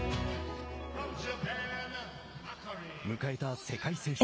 迎えた世界選手権。